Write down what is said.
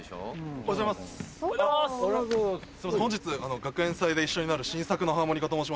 ・・おはようございます・本日学園祭で一緒になる「新作のハーモニカ」と申します。